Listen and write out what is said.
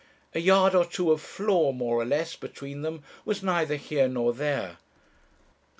A yard or two of floor, more or less, between them, was neither here nor there.